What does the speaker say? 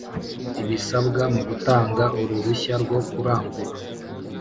Ibisabwa mu gutanga uruhushya rwo kurangura